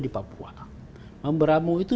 di papua mamberamu itu